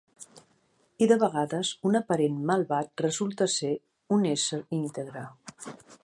I de vegades un aparent malvat resulta ser un ésser íntegre.